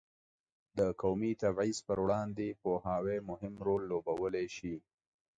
د قومي تبعیض پر وړاندې پوهاوی مهم رول لوبولی شي.